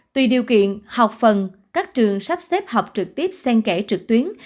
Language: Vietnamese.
tùy điều kiện học phần các trường sắp xếp học trực tiếp sen kẻ trực tuyến